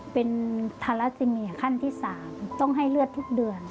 เป็นทาราซิเมียขั้นที่๓ต้องให้เลือดทุกเดือน